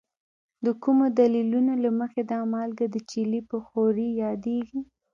د کومو دلیلونو له مخې دا مالګه د چیلي په ښورې یادیږي؟